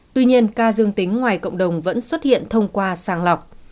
tuy nhiên ca dương tính ngoài cộng đồng vẫn xuất hiện thông qua sàng lọc